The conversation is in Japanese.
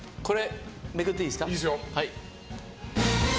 いいですよ。